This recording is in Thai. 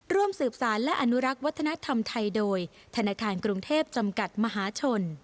ร่วมสืบสารและอนุรักษ์วัฒนธรรมไทยโดยธนาคารกรุงเทพจำกัดมหาชน